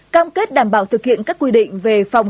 cam kết đảm bảo thực hiện các quy định về phòng